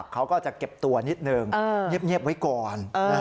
เขาก็จะเก็บตัวนิดหนึ่งเงียบไว้ก่อน